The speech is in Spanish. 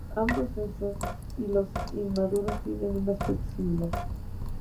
Ambos sexos y los inmaduros tienen un aspecto similar.